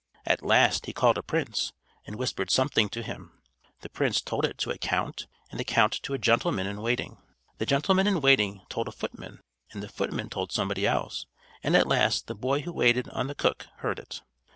At last he called a prince, and whispered something to him. The prince told it to a count, and the count to a gentleman in waiting. The gentleman in waiting told a footman, and the footman told somebody else, and at last, the boy who waited on the cook heard it.